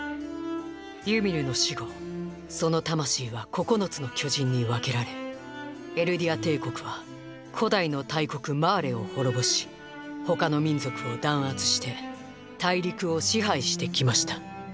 ユミルの死後その魂は「九つの巨人」に分けられエルディア帝国は古代の大国マーレを滅ぼし他の民族を弾圧して大陸を支配してきました。